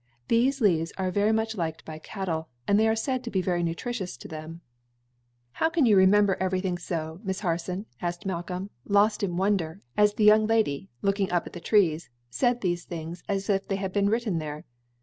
These leaves are much liked by cattle, and they are said to be very nutritious to them." [Illustration: FOLIAGE OF HONEY LOCUST.] "How can you remember everything so, Miss Harson?" asked Malcolm, lost in wonder, as the young lady, looking up at the trees, said these things as if they had been written there.